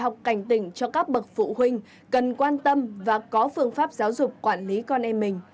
học cảnh tỉnh cho các bậc phụ huynh cần quan tâm và có phương pháp giáo dục quản lý con em mình